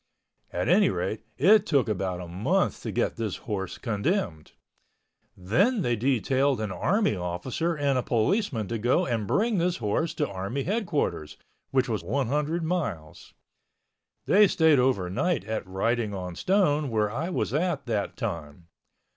At any rate it took about a month to get this horse condemned. Then they detailed an army officer and a policeman to go and bring this horse to army headquarters, which was 100 miles. They stayed over night at Writing on Stone where I was at that time.